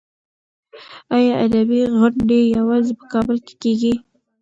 ایا ادبي غونډې یوازې په کابل کې کېږي؟